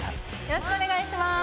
よろしくお願いします